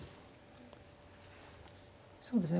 そうですね